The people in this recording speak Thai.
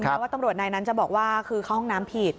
ว่าตำรวจนายนั้นจะบอกว่าคือเข้าห้องน้ำผิด